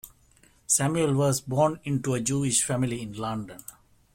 Samuel was born into a Jewish family in London.